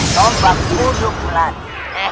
tombak kuduk melati